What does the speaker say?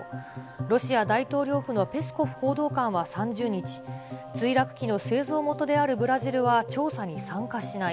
ロシア大統領府のペスコフ報道官は３０日、墜落機の製造元であるブラジルは調査に参加しない。